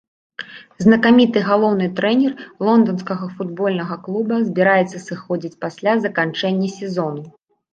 Знакаміты галоўны трэнер лонданскага футбольнага клуба збіраецца сыходзіць пасля заканчэння сезону.